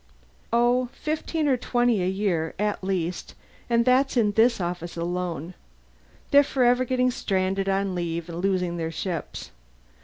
"Oh, fifteen or twenty a year, at least and that's in this office alone. They're forever getting stranded on leave and losing their ships.